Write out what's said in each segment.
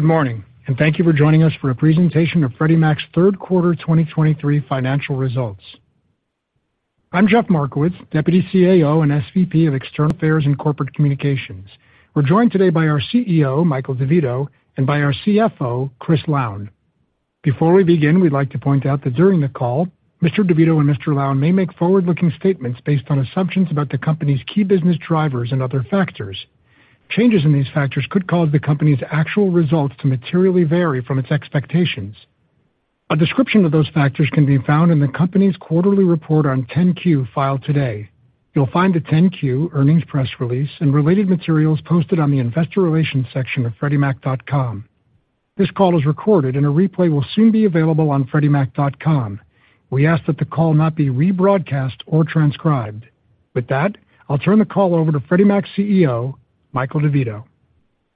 Good morning, and thank you for joining us for a presentation of Freddie Mac's third quarter 2023 financial results. I'm Jeff Markowitz, Deputy CAO and SVP of External Affairs and Corporate Communications. We're joined today by our CEO, Michael DeVito, and by our CFO, Chris Lown. Before we begin, we'd like to point out that during the call, Mr. DeVito and Mr. Lown may make forward-looking statements based on assumptions about the company's key business drivers and other factors. Changes in these factors could cause the company's actual results to materially vary from its expectations. A description of those factors can be found in the company's quarterly report on 10-Q filed today. You'll find the 10-Q, earnings press release, and related materials posted on the investor relations section of freddiemac.com. This call is recorded, and a replay will soon be available on freddiemac.com. We ask that the call not be rebroadcast or transcribed. With that, I'll turn the call over to Freddie Mac's CEO, Michael DeVito.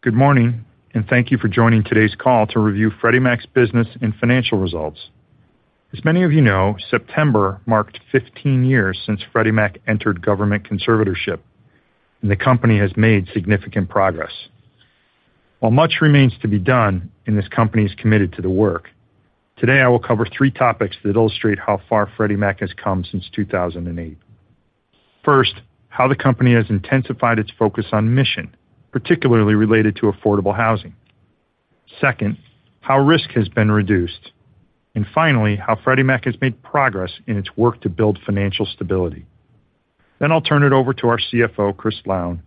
Good morning, and thank you for joining today's call to review Freddie Mac's business and financial results. As many of you know, September marked 15 years since Freddie Mac entered government conservatorship, and the company has made significant progress. While much remains to be done, and this company is committed to the work, today I will cover 3 topics that illustrate how far Freddie Mac has come since 2008. First, how the company has intensified its focus on mission, particularly related to affordable housing. Second, how risk has been reduced, and finally, how Freddie Mac has made progress in its work to build financial stability. Then I'll turn it over to our CFO, Chris Lown,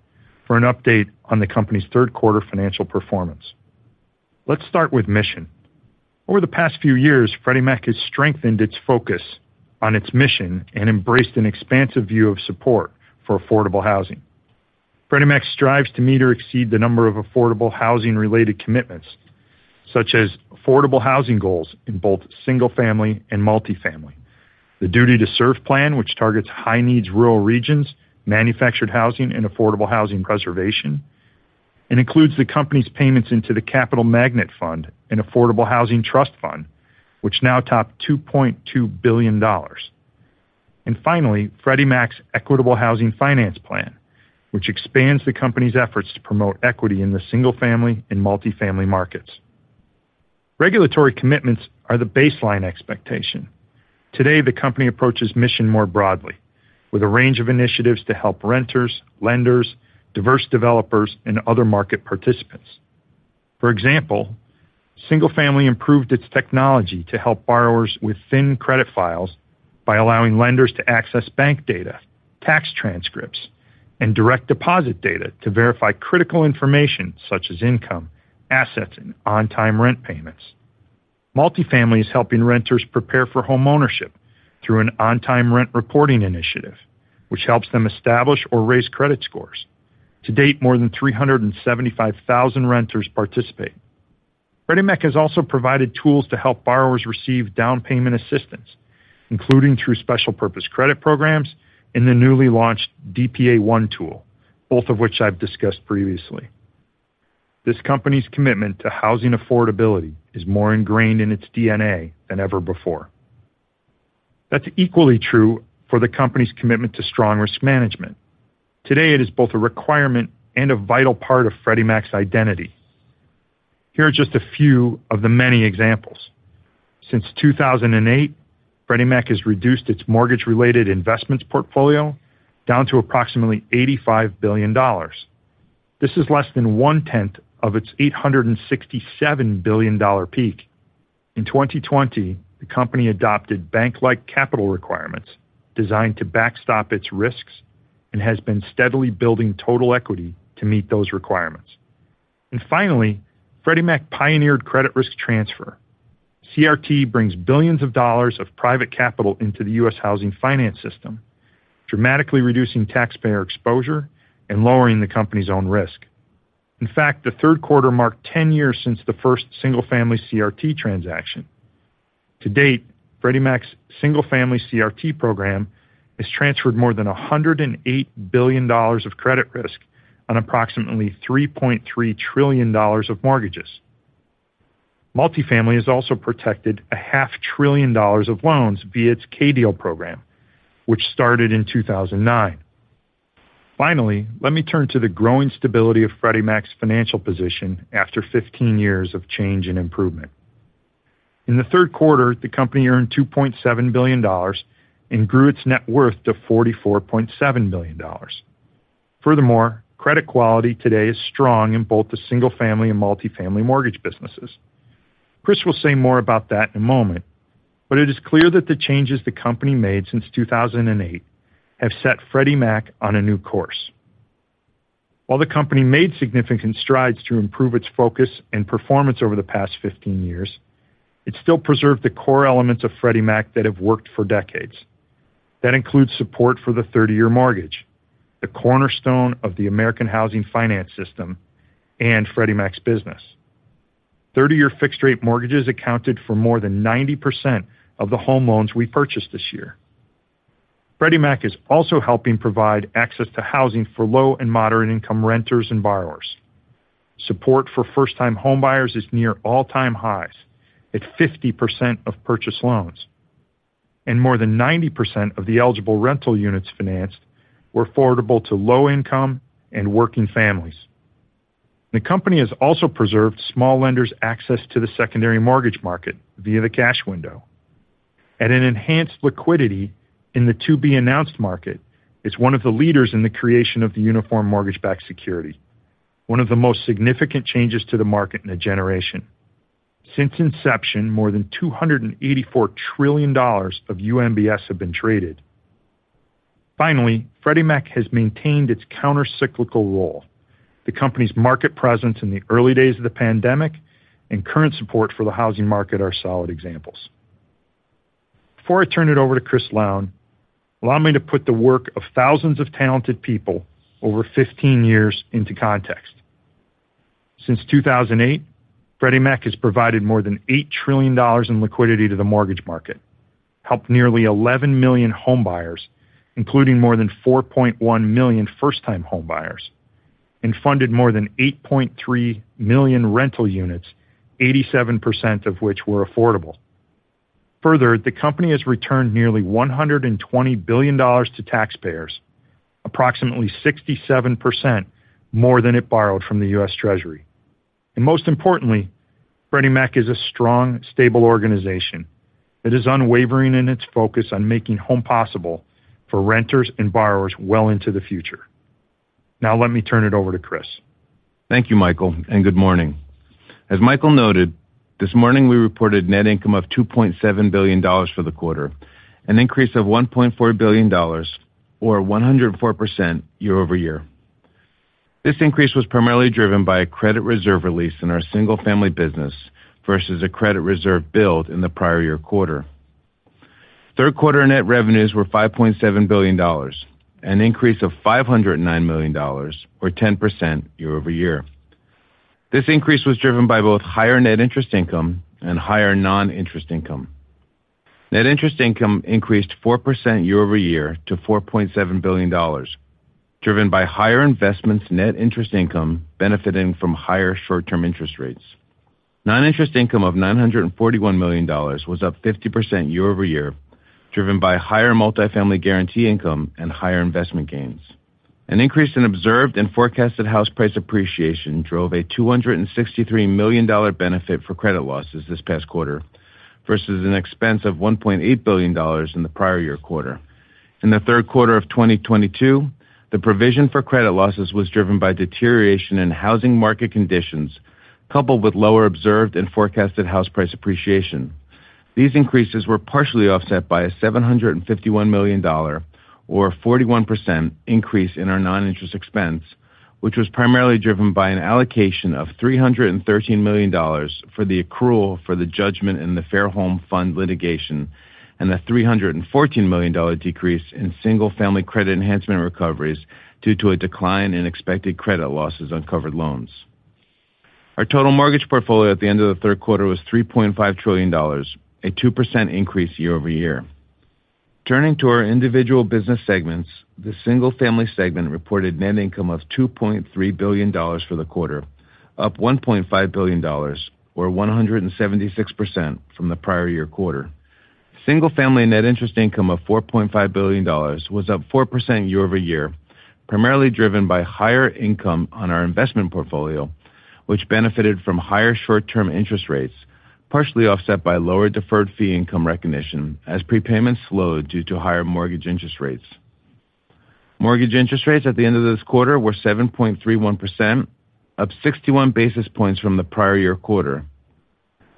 for an update on the company's third quarter financial performance. Let's start with mission. Over the past few years, Freddie Mac has strengthened its focus on its mission and embraced an expansive view of support for affordable housing. Freddie Mac strives to meet or exceed the number of affordable housing-related commitments, such as Affordable Housing Goals in both single-family and multifamily. The Duty to Serve Plan, which targets high-needs rural regions, manufactured housing, and affordable housing preservation, and includes the company's payments into the Capital Magnet Fund and Affordable Housing Trust Fund, which now top $2.2 billion. Finally, Freddie Mac's Equitable Housing Finance Plan, which expands the company's efforts to promote equity in the single-family and multifamily markets. Regulatory commitments are the baseline expectation. Today, the company approaches mission more broadly, with a range of initiatives to help renters, lenders, diverse developers, and other market participants. For example, Single-Family improved its technology to help borrowers with thin credit files by allowing lenders to access bank data, tax transcripts, and direct deposit data to verify critical information such as income, assets, and on-time rent payments. Multifamily is helping renters prepare for homeownership through an on-time rent reporting initiative, which helps them establish or raise credit scores. To date, more than 375,000 renters participate. Freddie Mac has also provided tools to help borrowers receive down payment assistance, including through Special Purpose Credit Programs and the newly launched DPA One tool, both of which I've discussed previously. This company's commitment to housing affordability is more ingrained in its DNA than ever before. That's equally true for the company's commitment to strong risk management. Today, it is both a requirement and a vital part of Freddie Mac's identity. Here are just a few of the many examples: Since 2008, Freddie Mac has reduced its mortgage-related investments portfolio down to approximately $85 billion. This is less than 1/10 of its $867 billion peak. In 2020, the company adopted bank-like capital requirements designed to backstop its risks and has been steadily building total equity to meet those requirements. Finally, Freddie Mac pioneered credit risk transfer. CRT brings billions of dollars of private capital into the U.S. housing finance system, dramatically reducing taxpayer exposure and lowering the company's own risk. In fact, the third quarter marked 10 years since the first single-family CRT transaction. To date, Freddie Mac's single-family CRT program has transferred more than $108 billion of credit risk on approximately $3.3 trillion of mortgages. Multifamily has also protected $500 billion of loans via its K-Deal program, which started in 2009. Finally, let me turn to the growing stability of Freddie Mac's financial position after 15 years of change and improvement. In the third quarter, the company earned $2.7 billion and grew its net worth to $44.7 billion. Furthermore, credit quality today is strong in both the single-family and multifamily mortgage businesses. Chris will say more about that in a moment, but it is clear that the changes the company made since 2008 have set Freddie Mac on a new course. While the company made significant strides to improve its focus and performance over the past 15 years, it still preserved the core elements of Freddie Mac that have worked for decades. That includes support for the 30-year mortgage, the cornerstone of the American housing finance system and Freddie Mac's business. 30-year fixed-rate mortgages accounted for more than 90% of the home loans we purchased this year. Freddie Mac is also helping provide access to housing for low and moderate-income renters and borrowers. Support for first-time homebuyers is near all-time highs at 50% of purchase loans... and more than 90% of the eligible rental units financed were affordable to low-income and working families. The company has also preserved small lenders' access to the secondary mortgage market via the Cash Window, and an enhanced liquidity in the to-be-announced market is one of the leaders in the creation of the Uniform Mortgage-Backed Security, one of the most significant changes to the market in a generation. Since inception, more than $284 trillion of UMBS have been traded. Finally, Freddie Mac has maintained its countercyclical role. The company's market presence in the early days of the pandemic and current support for the housing market are solid examples. Before I turn it over to Chris Lown, allow me to put the work of thousands of talented people over 15 years into context. Since 2008, Freddie Mac has provided more than $8 trillion in liquidity to the mortgage market, helped nearly 11 million homebuyers, including more than 4.1 million first-time homebuyers, and funded more than 8.3 million rental units, 87% of which were affordable. Further, the company has returned nearly $120 billion to taxpayers, approximately 67% more than it borrowed from the U.S. Treasury. Most importantly, Freddie Mac is a strong, stable organization that is unwavering in its focus on making home possible for renters and borrowers well into the future. Now, let me turn it over to Chris. Thank you, Michael, and good morning. As Michael noted, this morning we reported net income of $2.7 billion for the quarter, an increase of $1.4 billion or 104% year-over-year. This increase was primarily driven by a credit reserve release in our single-family business versus a credit reserve build in the prior year quarter. Third quarter net revenues were $5.7 billion, an increase of $509 million or 10% year-over-year. This increase was driven by both higher net interest income and higher non-interest income. Net interest income increased 4% year-over-year to $4.7 billion, driven by higher investments net interest income benefiting from higher short-term interest rates. Non-interest income of $941 million was up 50% year-over-year, driven by higher multifamily guarantee income and higher investment gains. An increase in observed and forecasted house price appreciation drove a $263 million dollar benefit for credit losses this past quarter versus an expense of $1.8 billion in the prior year quarter. In the third quarter of 2022, the provision for credit losses was driven by deterioration in housing market conditions, coupled with lower observed and forecasted house price appreciation. These increases were partially offset by a $751 million or 41% increase in our non-interest expense, which was primarily driven by an allocation of $313 million for the accrual for the judgment in the Fairholme Fund litigation and a $314 million decrease in single-family credit enhancement recoveries due to a decline in expected credit losses on covered loans. Our total mortgage portfolio at the end of the third quarter was $3.5 trillion, a 2% increase year-over-year. Turning to our individual business segments, the single-family segment reported net income of $2.3 billion for the quarter, up $1.5 billion or 176% from the prior year quarter. Single-family net interest income of $4.5 billion was up 4% year over year, primarily driven by higher income on our investment portfolio, which benefited from higher short-term interest rates, partially offset by lower deferred fee income recognition as prepayments slowed due to higher mortgage interest rates. Mortgage interest rates at the end of this quarter were 7.31%, up 61 basis points from the prior year quarter.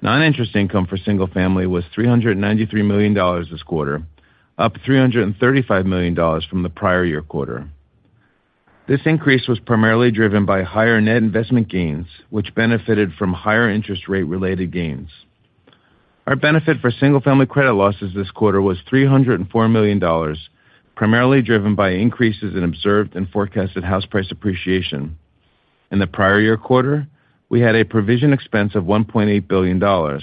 Non-interest income for single-family was $393 million this quarter, up $335 million from the prior year quarter. This increase was primarily driven by higher net investment gains, which benefited from higher interest rate-related gains. Our benefit for single-family credit losses this quarter was $304 million, primarily driven by increases in observed and forecasted house price appreciation. In the prior year quarter, we had a provision expense of $1.8 billion,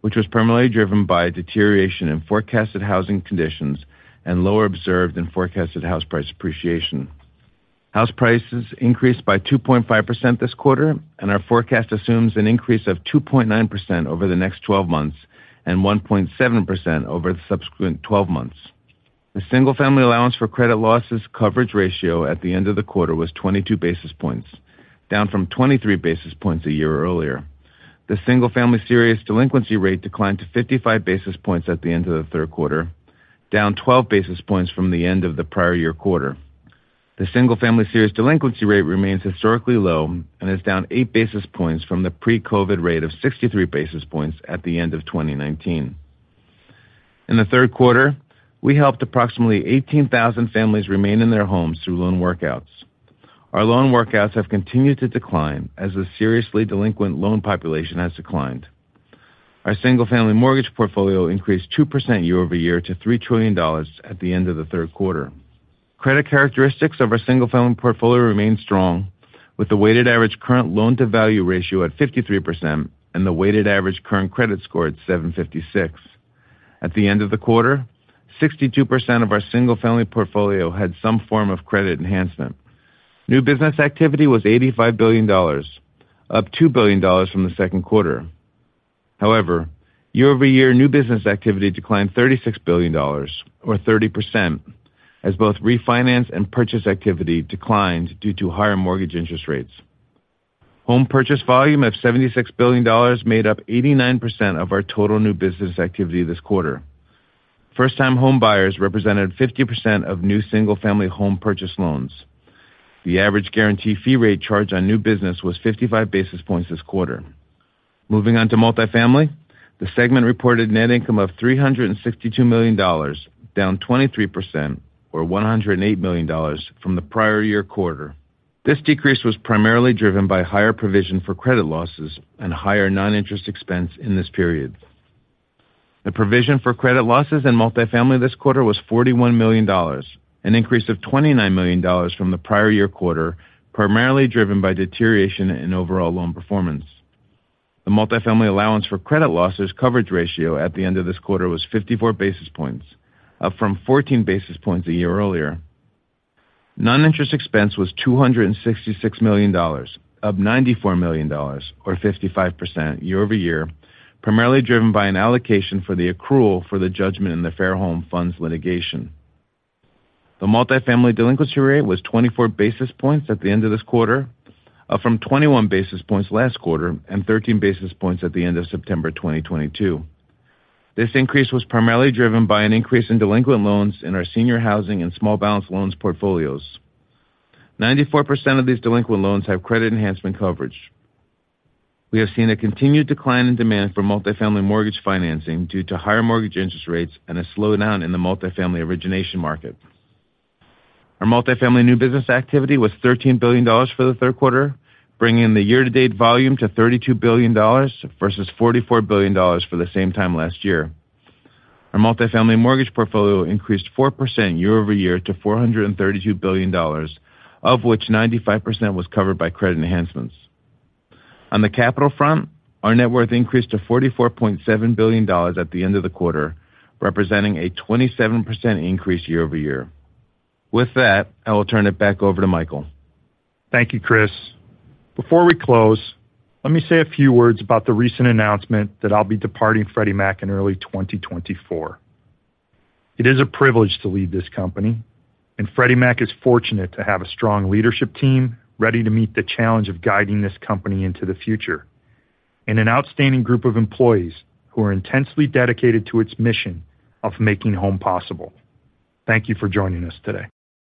which was primarily driven by deterioration in forecasted housing conditions and lower observed and forecasted house price appreciation. House prices increased by 2.5% this quarter, and our forecast assumes an increase of 2.9% over the next 12 months and 1.7% over the subsequent 12 months. The single-family allowance for credit losses coverage ratio at the end of the quarter was 22 basis points, down from 23 basis points a year earlier. The single-family serious delinquency rate declined to 55 basis points at the end of the third quarter, down 12 basis points from the end of the prior year quarter. The single-family serious delinquency rate remains historically low and is down 8 basis points from the pre-COVID rate of 63 basis points at the end of 2019. In the third quarter, we helped approximately 18,000 families remain in their homes through loan workouts. Our loan workouts have continued to decline as the seriously delinquent loan population has declined. Our single-family mortgage portfolio increased 2% year over year to $3 trillion at the end of the third quarter. Credit characteristics of our single-family portfolio remain strong, with the weighted average current loan-to-value ratio at 53% and the weighted average current credit score at 756. At the end of the quarter, 62% of our single-family portfolio had some form of credit enhancement. New business activity was $85 billion, up $2 billion from the second quarter. However, year-over-year new business activity declined $36 billion or 30%, as both refinance and purchase activity declined due to higher mortgage interest rates. Home purchase volume of $76 billion made up 89% of our total new business activity this quarter. First-time home buyers represented 50% of new single-family home purchase loans. The average guarantee fee rate charged on new business was 55 basis points this quarter. Moving on to multifamily, the segment reported net income of $362 million, down 23% or $108 million from the prior year quarter. This decrease was primarily driven by higher provision for credit losses and higher non-interest expense in this period. The provision for credit losses in multifamily this quarter was $41 million, an increase of $29 million from the prior year quarter, primarily driven by deterioration in overall loan performance. The multifamily allowance for credit losses coverage ratio at the end of this quarter was 54 basis points, up from 14 basis points a year earlier. Non-interest expense was $266 million, up $94 million or 55% year-over-year, primarily driven by an allocation for the accrual for the judgment in the Fairholme Funds litigation. The multifamily delinquency rate was 24 basis points at the end of this quarter, up from 21 basis points last quarter and 13 basis points at the end of September 2022. This increase was primarily driven by an increase in delinquent loans in our senior housing and small balance loans portfolios. 94% of these delinquent loans have credit enhancement coverage. We have seen a continued decline in demand for multifamily mortgage financing due to higher mortgage interest rates and a slowdown in the multifamily origination market. Our multifamily new business activity was $13 billion for the third quarter, bringing the year-to-date volume to $32 billion versus $44 billion for the same time last year. Our multifamily mortgage portfolio increased 4% year-over-year to $432 billion, of which 95% was covered by credit enhancements. On the capital front, our net worth increased to $44.7 billion at the end of the quarter, representing a 27% increase year-over-year. With that, I will turn it back over to Michael. Thank you, Chris. Before we close, let me say a few words about the recent announcement that I'll be departing Freddie Mac in early 2024. It is a privilege to lead this company, and Freddie Mac is fortunate to have a strong leadership team ready to meet the challenge of guiding this company into the future, and an outstanding group of employees who are intensely dedicated to its mission of making home possible. Thank you for joining us today.